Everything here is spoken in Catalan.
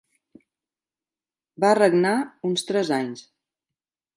Va regnar uns tres anys.